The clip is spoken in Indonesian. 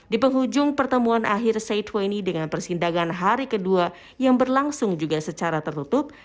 di penghujung pertemuan akhir c dua puluh dengan persidangan hari kedua yang berlangsung juga secara tertutup